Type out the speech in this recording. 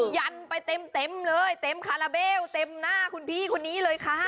ยันไปเต็มเลยเต็มคาราเบลเต็มหน้าคุณพี่คนนี้เลยค่ะ